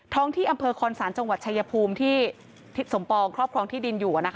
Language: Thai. ที่อำเภอคอนศาลจังหวัดชายภูมิที่ทิศสมปองครอบครองที่ดินอยู่